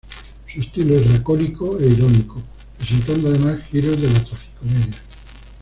Su estilo es lacónico e irónico, presentando además giros de la tragicomedia.